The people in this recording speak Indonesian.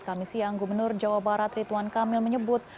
di kamis siang gubernur jawa barat ritwan kamil menyebut